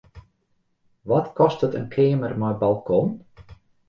Wat kostet in keamer mei balkon?